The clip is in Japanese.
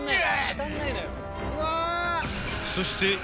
［そして］